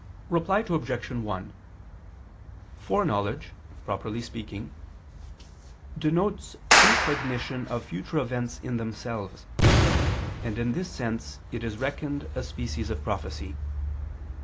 _ Reply Obj. 1: Foreknowledge, properly speaking, denotes precognition of future events in themselves, and in this sense it is reckoned a species of prophecy.